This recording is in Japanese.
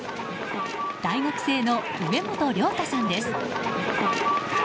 大学生の植本亮太さんです。